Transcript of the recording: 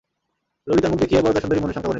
ললিতার মুখ দেখিয়াই বরদাসুন্দরী মনে শঙ্কা গনিলেন।